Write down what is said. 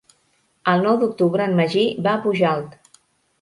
El nou d'octubre en Magí va a Pujalt.